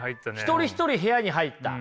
一人一人部屋に入った。